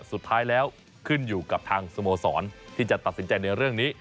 สุดท้ายแล้วขึ้นอยู่กับทางสโมสรที่จะตัดสินใจในเรื่องนี้